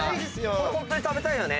ホントに食べたいよね。